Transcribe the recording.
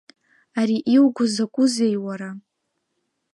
Ари иуго закәызеи, уара?